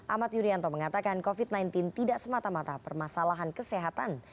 ahmad yuryanto mengatakan covid sembilan belas tidak semata mata permasalahan kesehatan